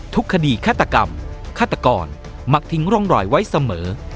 ทุกคดีฆาตกรรมฆาตกรมักทิ้งร่องรอยไว้เสมอ